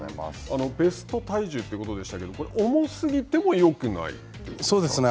ベスト体重ということでしたけれども、重すぎてもよくないというそうですね。